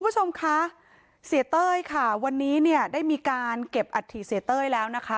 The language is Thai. ส่วนชมคะเหรียร์เต้ยค่ะค่ะวันนี้ได้มีการเก็บอัตถิเทะเอกเต้ยแล้วนะคะ